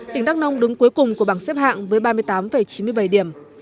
tỉnh đắk nông đứng cuối cùng của bảng xếp hạng với ba mươi tám chín mươi bảy điểm